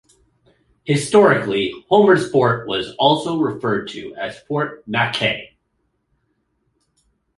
Historically, Homer's Fort was also referred to as Fort MacKay.